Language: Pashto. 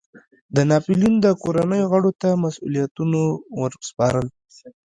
د ناپلیون د کورنیو غړو ته مسوولیتونو ور سپارل.